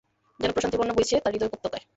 যেন প্রশান্তির বন্যা বইছে তার হৃদয় উপত্যকায়।